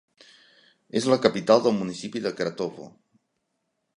És la capital del municipi de Kratovo.